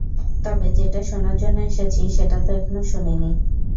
তবে যেটা শুনার জন্য এসেছি, সেটা তো এখনও শুনিনি।